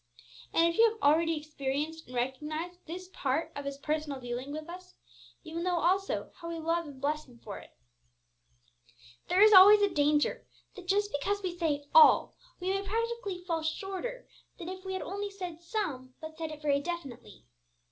And if you have already experienced and recognised this part of His personal dealing with us, you will know also how we love and bless Him for it. There is always a danger that just because we say 'all,' we may practically fall shorter than if we had only said 'some,' but said it very definitely.